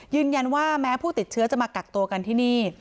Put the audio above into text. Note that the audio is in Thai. ยืนยันว่าแม้ผู้ติดเชื้อจะมากักตัวกันที่นี่